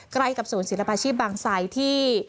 ใกล้กับศูนย์ศิลปาชีพบางไซด์ที่